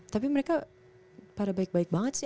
tapi mereka pada baik baik banget sih